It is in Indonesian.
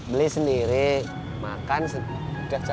beli sendiri makan sendiri